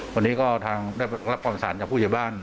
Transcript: วันนี้ก็ทางรับความสารจากผู้เจียบบ้าน